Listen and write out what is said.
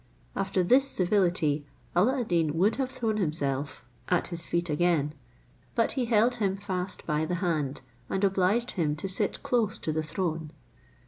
After this civility Alla ad Deen would have thrown himself at his feet again; but he held him fast by the hand, and obliged him to sit close to the throne.